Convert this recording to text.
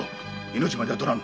命までは取らぬ。